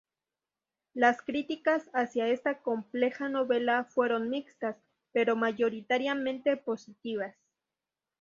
Las críticas hacia esta compleja novela fueron mixtas, pero mayoritariamente positivas.